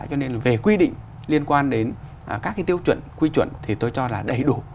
cho nên là về quy định liên quan đến các cái tiêu chuẩn quy chuẩn thì tôi cho là đầy đủ